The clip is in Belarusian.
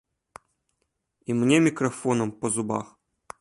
І мне мікрафонам па зубах.